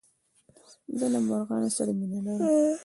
زه له مرغانو سره مينه لرم.